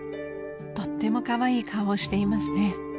［とってもカワイイ顔をしていますね］